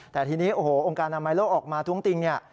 แต่ทีนี้โอ้โหองค์การอนามัยโลกออกมาท้วงติงเนี่ย